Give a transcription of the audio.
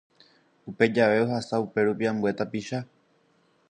Upe jave ohasa upérupi ambue tapicha